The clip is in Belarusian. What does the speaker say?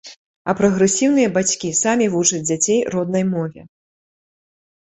А прагрэсіўныя бацькі самі вучаць дзяцей роднай мове.